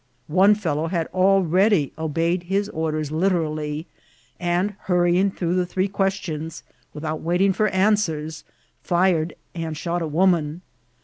One fellow had al ready obeyed his orders literally, and, hurrying through the three questions, without waiting for answers, fir^, and shot a woman.